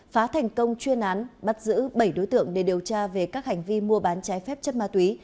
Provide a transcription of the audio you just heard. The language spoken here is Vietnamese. phá thành công chuyên án bắt giữ bảy đối tượng để điều tra về các hành vi mua bán trái phép chất ma túy